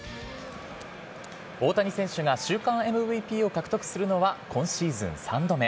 大谷選手が週間ＭＶＰを獲得するのは今シーズン３度目。